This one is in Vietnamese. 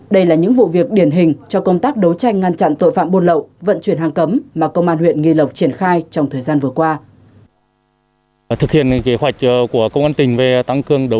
đây là những vụ việc điển hình cho công tác đấu tranh ngăn chặn tội phạm buôn lậu vận chuyển hàng cấm mà công an huyện nghi lộc triển khai trong thời gian vừa qua